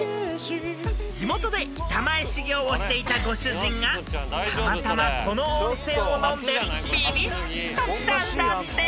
［地元で板前修業をしていたご主人がたまたまこの温泉を飲んでビビッときたんだって］